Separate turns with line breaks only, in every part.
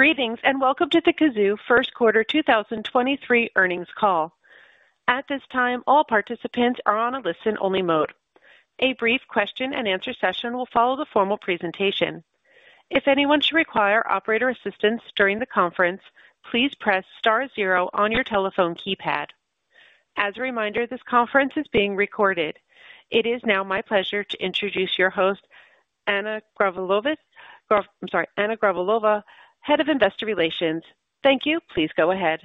Greetings, welcome to the Cazoo first quarter 2023 earnings call. At this time, all participants are on a listen-only mode. A brief question-and-answer session will follow the formal presentation. If anyone should require operator assistance during the conference, please press star zero on your telephone keypad. As a reminder, this conference is being recorded. It is now my pleasure to introduce your host, Anna Gavrilova, Head of Investor Relations. Thank you. Please go ahead.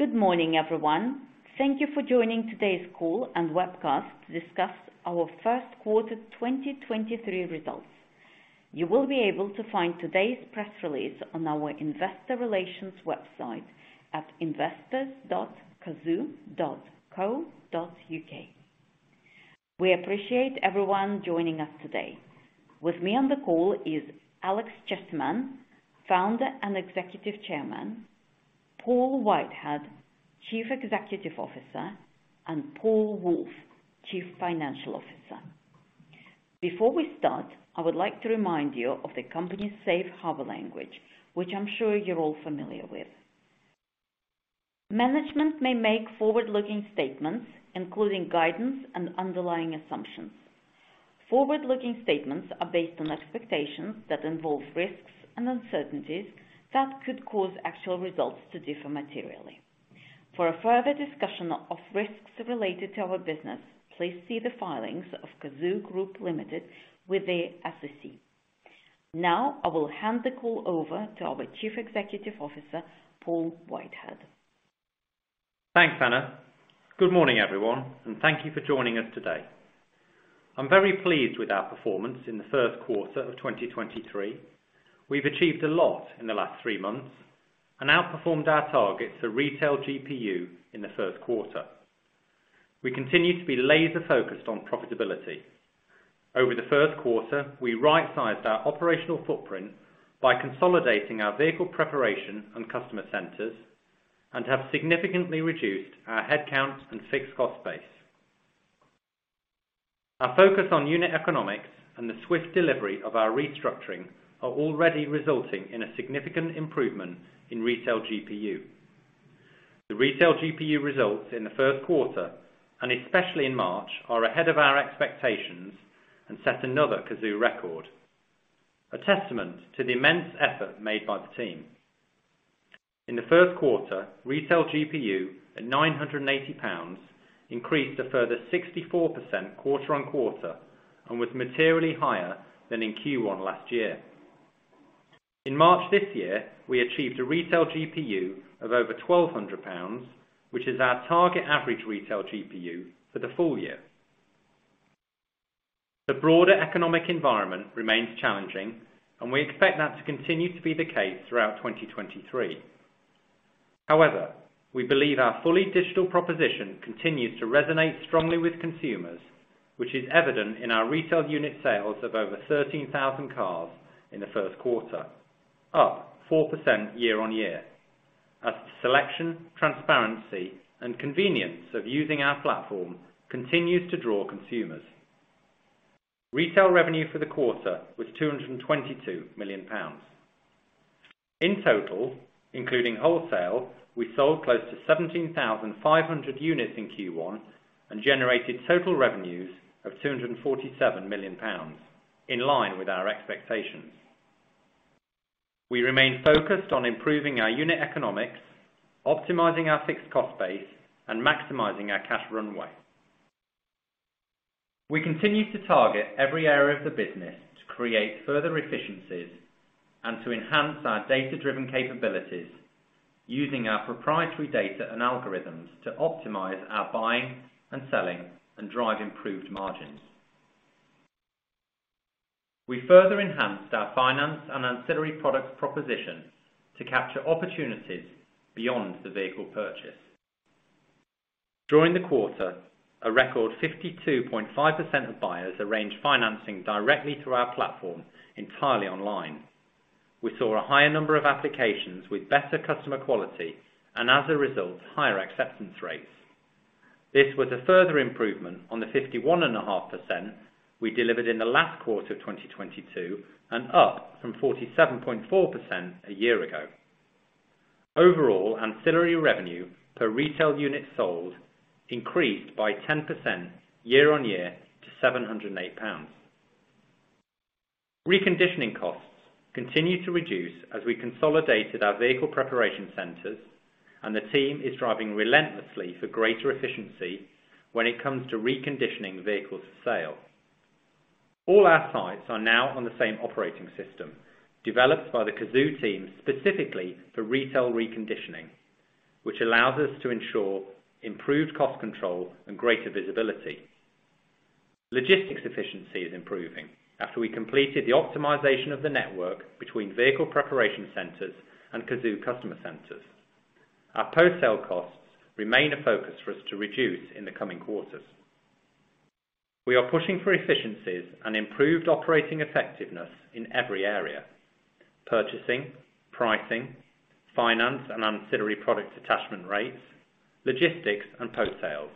Good morning, everyone. Thank you for joining today's call and webcast to discuss our first quarter 2023 results. You will be able to find today's press release on our investor relations website at investors.cazoo.co.uk. We appreciate everyone joining us today. With me on the call is Alex Chesterman, Founder and Executive Chairman, Paul Whitehead, Chief Executive Officer, and Paul Woolf, Chief Financial Officer. Before we start, I would like to remind you of the company's safe harbor language, which I'm sure you're all familiar with. Management may make forward-looking statements, including guidance and underlying assumptions. Forward-looking statements are based on expectations that involve risks and uncertainties that could cause actual results to differ materially. For a further discussion of risks related to our business, please see the filings of Cazoo Group Ltd with the SEC. Now, I will hand the call over to our Chief Executive Officer, Paul Whitehead.
Thanks, Anna. Good morning, everyone, and thank you for joining us today. I'm very pleased with our performance in the first quarter of 2023. We've achieved a lot in the last three months and outperformed our targets for Retail GPU in the first quarter. We continue to be laser-focused on profitability. Over the first quarter, we right-sized our operational footprint by consolidating our vehicle preparation and customer centers and have significantly reduced our headcounts and fixed cost base. Our focus on unit economics and the swift delivery of our restructuring are already resulting in a significant improvement in Retail GPU. The Retail GPU results in the first quarter, and especially in March, are ahead of our expectations and set another Cazoo record, a testament to the immense effort made by the team. In the first quarter, Retail GPU at 980 pounds increased a further 64% quarter-on-quarter and was materially higher than in Q1 last year. In March this year, we achieved a Retail GPU of over 1,200 pounds, which is our target average Retail GPU for the full year. The broader economic environment remains challenging, and we expect that to continue to be the case throughout 2023. However, we believe our fully digital proposition continues to resonate strongly with consumers, which is evident in our retail unit sales of over 13,000 cars in the first quarter, up 4% year-on-year as the selection, transparency, and convenience of using our platform continues to draw consumers. Retail revenue for the quarter was 222 million pounds. In total, including wholesale, we sold close to 17,500 units in Q1 and generated total revenues of 247 million pounds, in line with our expectations. We remain focused on improving our unit economics, optimizing our fixed cost base, and maximizing our cash runway. We continue to target every area of the business to create further efficiencies and to enhance our data-driven capabilities using our proprietary data and algorithms to optimize our buying and selling and drive improved margins. We further enhanced our finance and ancillary product proposition to capture opportunities beyond the vehicle purchase. During the quarter, a record 52.5% of buyers arranged financing directly through our platform entirely online. We saw a higher number of applications with better customer quality and as a result, higher acceptance rates. This was a further improvement on the 51.5% we delivered in the last quarter of 2022 and up from 47.4% a year ago. Overall, ancillary revenue per retail unit sold increased by 10% year-on-year to 708 pounds. Reconditioning costs continued to reduce as we consolidated our vehicle preparation centers. The team is driving relentlessly for greater efficiency when it comes to reconditioning vehicles for sale. All our sites are now on the same operating system, developed by the Cazoo team specifically for retail reconditioning, which allows us to ensure improved cost control and greater visibility. Logistics efficiency is improving after we completed the optimization of the network between vehicle preparation centers and Cazoo customer centers. Our post-sale costs remain a focus for us to reduce in the coming quarters. We are pushing for efficiencies and improved operating effectiveness in every area: purchasing, pricing, finance, and ancillary product attachment rates, logistics, and post sales.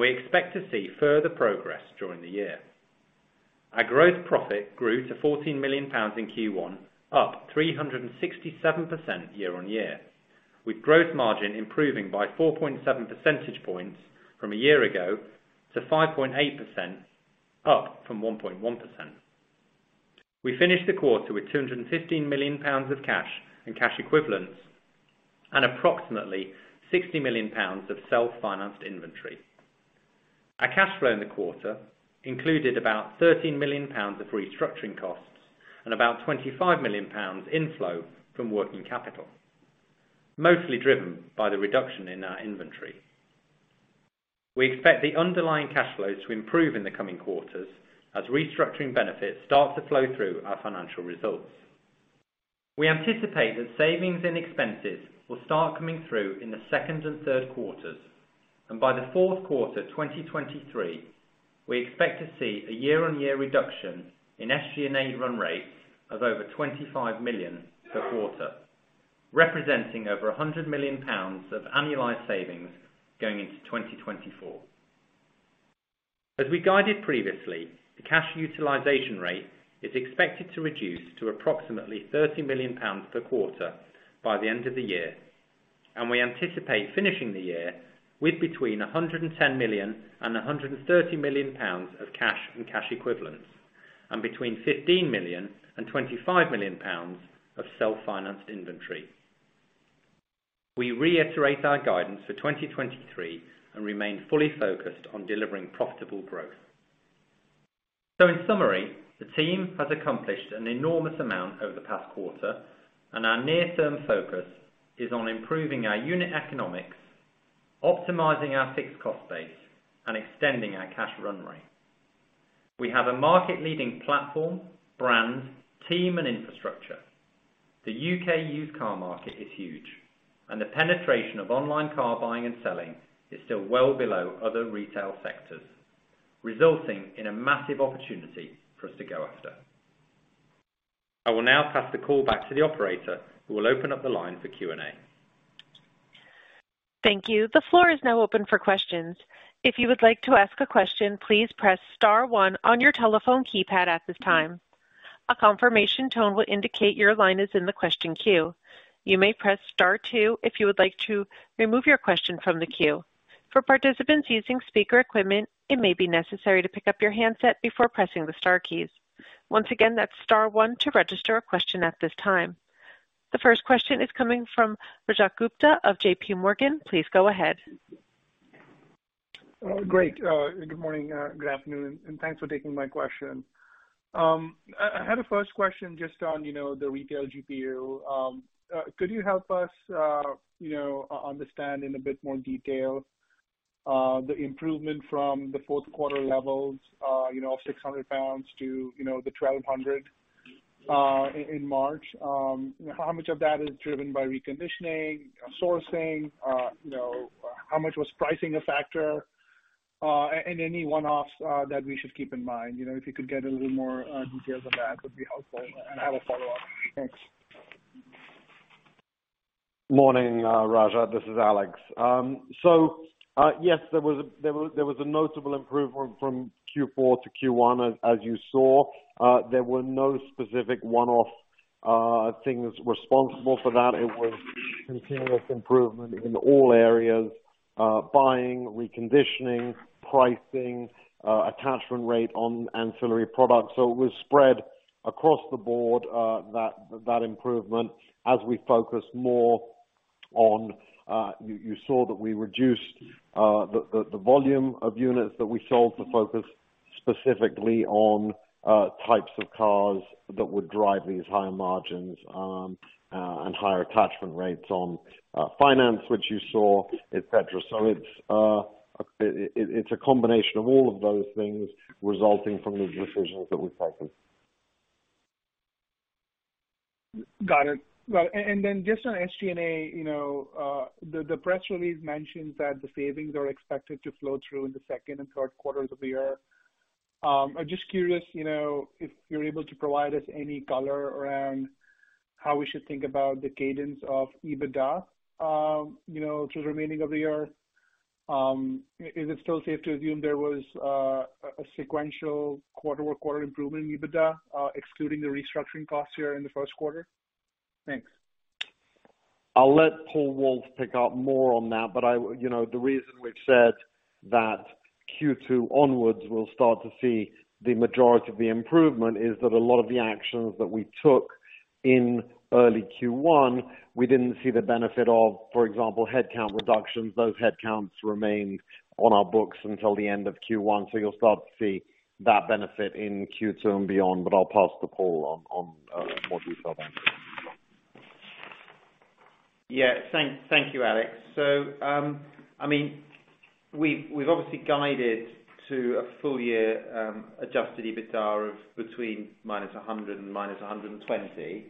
We expect to see further progress during the year. Our gross profit grew to GBP 14 million in Q1, up 367% year-on-year, with gross margin improving by 4.7 percentage points from a year ago to 5.8%, up from 1.1%. We finished the quarter with 215 million pounds of cash and cash equivalents and approximately 60 million pounds of self-financed inventory. Our cash flow in the quarter included about 13 million pounds of restructuring costs and about 25 million pounds inflow from working capital, mostly driven by the reduction in our inventory. We expect the underlying cash flows to improve in the coming quarters as restructuring benefits start to flow through our financial results. We anticipate that savings and expenses will start coming through in the second and third quarters, and by the fourth quarter 2023, we expect to see a year-on-year reduction in SG&A run rate of over 25 million per quarter, representing over 100 million pounds of annualized savings going into 2024. As we guided previously, the cash utilization rate is expected to reduce to approximately 30 million pounds per quarter by the end of the year, and we anticipate finishing the year with between 110 million and 130 million pounds of cash and cash equivalents and between 15 million and 25 million pounds of self-financed inventory. We reiterate our guidance for 2023 and remain fully focused on delivering profitable growth. In summary, the team has accomplished an enormous amount over the past quarter and our near-term focus is on improving our unit economics, optimizing our fixed cost base, and extending our cash run rate. We have a market leading platform, brand, team and infrastructure. The U.K. used car market is huge, and the penetration of online car buying and selling is still well below other retail sectors, resulting in a massive opportunity for us to go after. I will now pass the call back to the operator who will open up the line for Q&A.
Thank you. The floor is now open for questions. If you would like to ask a question, please press star one on your telephone keypad at this time. A confirmation tone will indicate your line is in the question queue. You may press star two if you would like to remove your question from the queue. For participants using speaker equipment, it may be necessary to pick up your handset before pressing the star keys. Once again, that's star one to register a question at this time. The first question is coming from Rajat Gupta of JPMorgan. Please go ahead.
Great. good morning, good afternoon, and thanks for taking my question. I had a first question just on, you know, the Retail GPU. Could you help us, you know, understand in a bit more detail, the improvement from the fourth quarter levels, you know, 600 pounds to, you know, 1,200, in March? How much of that is driven by reconditioning, sourcing, you know, how much was pricing a factor, and any one-offs, that we should keep in mind? You know, if you could get a little more detail on that would be helpful. I have a follow-up. Thanks.
Morning, Rajat. This is Alex. Yes, there was a notable improvement from Q4 to Q1. As you saw, there were no specific one-off things responsible for that. It was continuous improvement in all areas, buying, reconditioning, pricing, attachment rate on ancillary products. It was spread across the board, that improvement as we focus more on, you saw that we reduced the volume of units that we sold to focus specifically on types of cars that would drive these higher margins and higher attachment rates on finance, which you saw, et cetera. It's a combination of all of those things resulting from the decisions that we've taken.
Got it. Well, just on SG&A, you know, the press release mentions that the savings are expected to flow through in the second and third quarters of the year. I'm just curious, you know, if you're able to provide us any color around how we should think about the cadence of EBITDA, you know, through the remaining of the year. Is it still safe to assume there was a sequential quarter-over-quarter improvement in EBITDA, excluding the restructuring costs here in the first quarter? Thanks.
I'll let Paul Woolf pick up more on that. I, you know, the reason we've said that Q2 onwards we'll start to see the majority of the improvement is that a lot of the actions that we took in early Q1, we didn't see the benefit of, for example, headcount reductions. Those headcounts remained on our books until the end of Q1. You'll start to see that benefit in Q2 and beyond. I'll pass to Paul on more detail then.
Thank you, Alex. I mean, we've obviously guided to a full year adjusted EBITDA of between -100 million and -120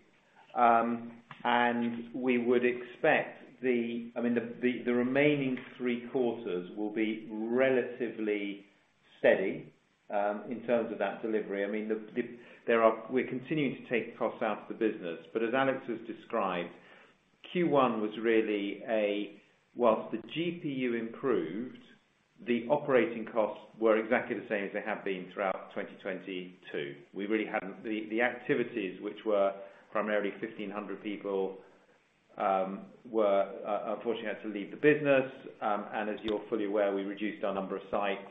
million. We would expect the... I mean, the remaining three quarters will be relatively steady in terms of that delivery. I mean, there are. We're continuing to take costs out of the business. As Alex has described, Q1 was really a. Whilst the GPU improved, the operating costs were exactly the same as they have been throughout 2022. We really hadn't. The activities which were primarily 1,500 people were unfortunately had to leave the business. As you're fully aware, we reduced our number of sites,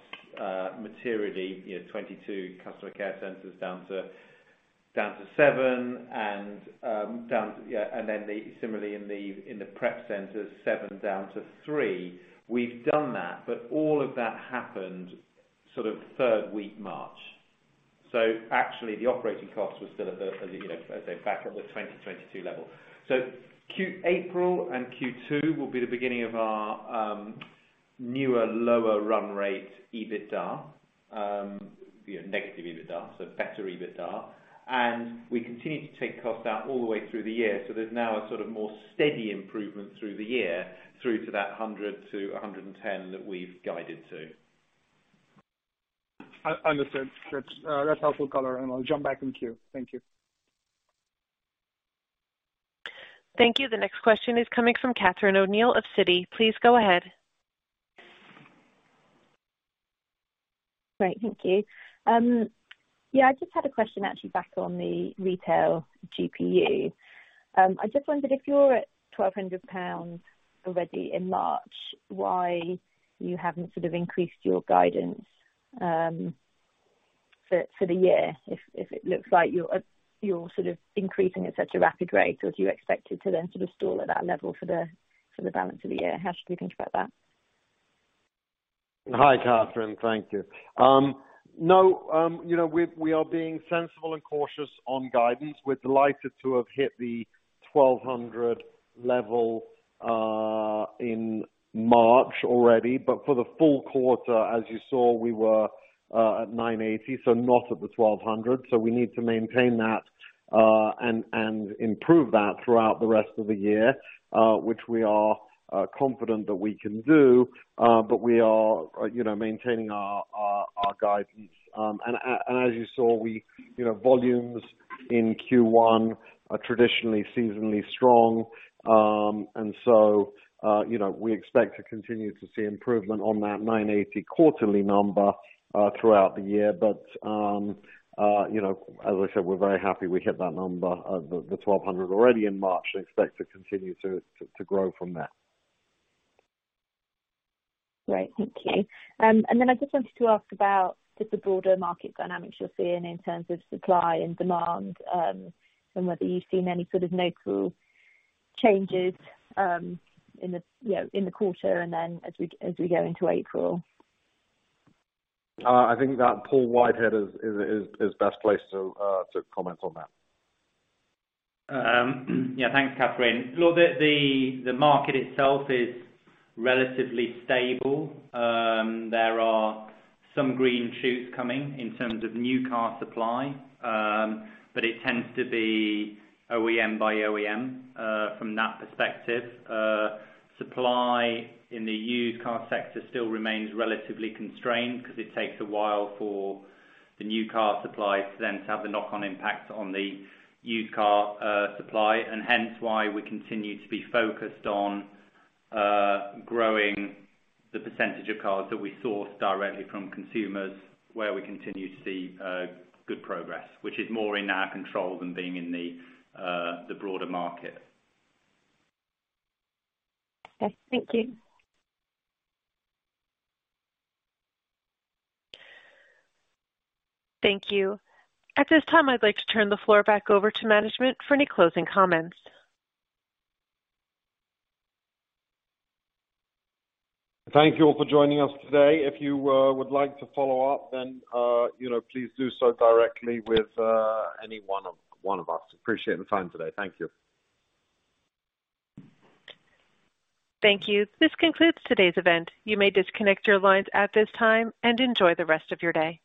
materially, you know, 22 customer care centers down to seven and, yeah, similarly in the prep centers, seven down to three. We've done that. All of that happened sort of third week March. Actually the operating costs were still at the, you know, as I say, back at the 2022 level. Q-April and Q2 will be the beginning of our newer, lower run rate EBITDA, you know, negative EBITDA, so better EBITDA. We continue to take cost out all the way through the year. There's now a sort of more steady improvement through the year through to that 100 million - 110 million that we've guided to.
Understood. That's, that's helpful color, and I'll jump back in queue. Thank you.
Thank you. The next question is coming from Catherine O'Neill of Citi. Please go ahead.
Great. Thank you. I just had a question actually back on the Retail GPU. I just wondered if you're at 1,200 pounds already in March, why you haven't sort of increased your guidance for the year if it looks like you're increasing at such a rapid rate, or do you expect it to then sort of stall at that level for the balance of the year? How should we think about that?
Hi, Catherine. Thank you. No, you know, we're, we are being sensible and cautious on guidance. We're delighted to have hit the 1,200 level in March already, but for the full quarter, as you saw, we were at 980, so not at the 1,200. We need to maintain that and improve that throughout the rest of the year, which we are confident that we can do, but we are, you know, maintaining our guidance. As you saw, we, you know, volumes in Q1 are traditionally seasonally strong. You know, we expect to continue to see improvement on that 980 quarterly number throughout the year. You know, as I said, we're very happy we hit that number of the 1,200 already in March and expect to continue to grow from there.
Great. Thank you. I just wanted to ask about just the broader market dynamics you're seeing in terms of supply and demand, and whether you've seen any sort of macro changes, in the, you know, in the quarter and then as we go into April.
I think that Paul Whitehead is best placed to comment on that.
Yeah, thanks, Catherine. Look, the market itself is relatively stable. There are some green shoots coming in terms of new car supply, but it tends to be OEM by OEM from that perspective. Supply in the used car sector still remains relatively constrained because it takes a while for the new car supply to then to have the knock on impact on the used car supply and hence why we continue to be focused on growing the percentage of cars that we source directly from consumers, where we continue to see good progress, which is more in our control than being in the broader market.
Okay, thank you.
Thank you. At this time, I'd like to turn the floor back over to management for any closing comments.
Thank you all for joining us today. If you would like to follow up, then, you know, please do so directly with any one of us. Appreciate the time today. Thank you.
Thank you. This concludes today's event. You may disconnect your lines at this time and enjoy the rest of your day.